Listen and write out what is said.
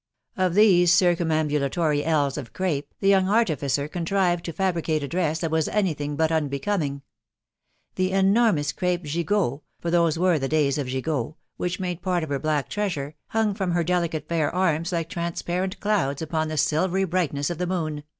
Of these circum ambulatory ells of crape, the young artificer contrived ' to fabricate a dress that was anything but unbecoming. The enormous crape gigots (for those were the days of gigots), which made part of her black treasure, 'hung from her delicate fair arms like transparent clouds upon the silvery brightness of the moon